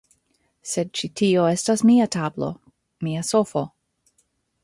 Sed ĉi tio estas mia tablo; mia sofo